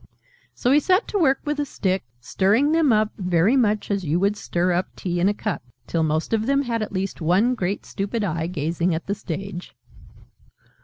So he set to work with a stick, stirring them up, very much as you would stir up tea in a cup, till most of them had at least one great stupid eye gazing at the stage.